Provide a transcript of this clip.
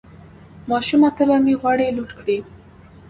ماشومه طبعه مې غواړي لوټ کړي